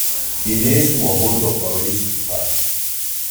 Yenna-as umeɣbun d uqerruy-is deg lqaɛa.